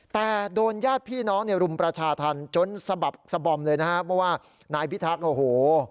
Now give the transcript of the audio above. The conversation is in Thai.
แต่โดนญาติพี่น้องเนี่ยรุมประชาธรรมจนสะบับสะบอมเลยนะฮะเพราะว่านายพิทักษ์โอ้โห